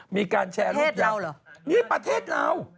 มีการแชร์รูปอย่างนี่ประเทศเรานี่ประเทศเรา